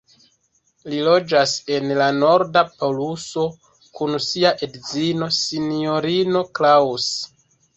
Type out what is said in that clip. Li loĝas en la Norda Poluso kun sia edzino, Sinjorino Claus.